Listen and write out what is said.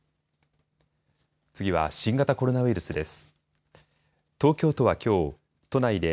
次は新型コロナウイルスです。